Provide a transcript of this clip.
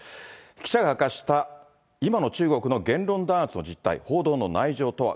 記者が明かした今の中国の言論弾圧の実態、報道の内情とは。